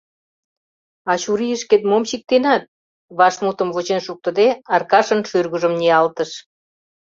А чурийышкет мом чиктенат? — вашмутым вучен шуктыде, Аркашын шӱргыжым ниялтыш.